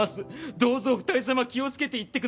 どうぞお２人様気をつけて行ってくださいまし。